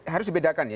harus dibedakan ya